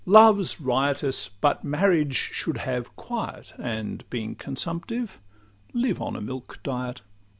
Love 's riotous, but marriage should have quiet, And being consumptive, live on a milk diet.